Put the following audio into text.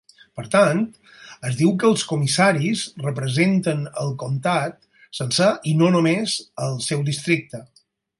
Per tant, es diu que els comissaris representen el comtat sencer i no només el seu districte.